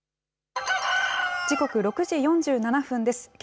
時刻、６時４７分です。